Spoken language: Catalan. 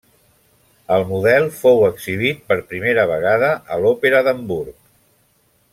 El model fou exhibit per primera vegada a l'Òpera d'Hamburg.